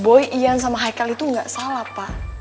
boy ian sama haikel itu gak salah pak